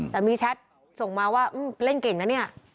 แต่มีแชทส่งมาว่าเล่นเก่งนะเนี่ย